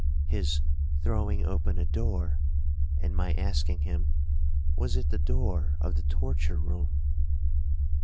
—his throwing open a door, and my asking him, was it the door of the torture room?